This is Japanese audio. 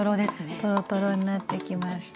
とろとろになってきました。